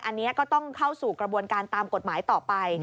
อันนี้ก็ต้องเข้าสู่กระบวนการตามกฎหมายต่อไป